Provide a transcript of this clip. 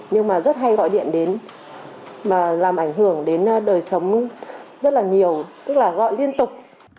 nhưng mà rất hay gọi điện đến mà làm ảnh hưởng đến đời sống rất là nhiều tức là gọi liên tục